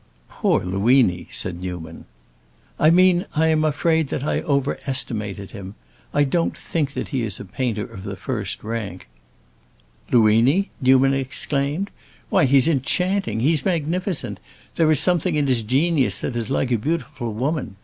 "Poor Luini!" said Newman. "I mean that I am afraid I overestimated him. I don't think that he is a painter of the first rank." "Luini?" Newman exclaimed; "why, he's enchanting—he's magnificent! There is something in his genius that is like a beautiful woman.